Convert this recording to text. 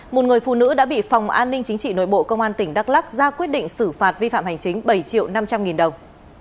một người phụ nữ đã bị phòng an ninh chính trị nội bộ công an tỉnh đắk lắc ra quyết định xử phạt vi phạm hành chính bảy triệu năm trăm linh nghìn đồng